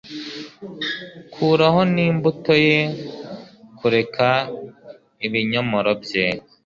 kuraho n'imbuto ye! kureka ibinyomoro bye